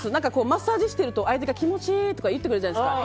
マッサージしていると相手が気持ちいいとか言ってくれるじゃないですか。